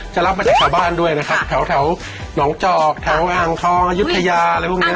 รับมาจากชาวบ้านด้วยนะครับแถวหนองจอกแถวอ่างทองอายุทยาอะไรพวกนี้